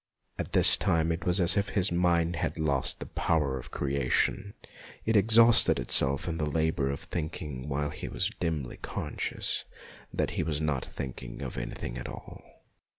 At this time it was as if his mind had lost the power of creation ; it exhausted itself in the labour of thinking while he was A SUMMER HOLIDAY 253 dimly conscious that he was not thinking of anything at all.